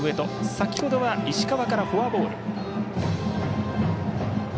先程は石川からフォアボール。